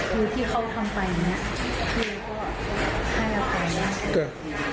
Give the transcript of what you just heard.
คือที่เขาทำไปเนี่ยคือให้เราไปเนี่ย